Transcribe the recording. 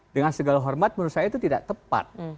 dengan segala hormat menurut saya itu tidak tepat